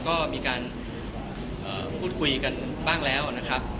ก็มีการพูดคุยกันบ้างแล้วนะครับ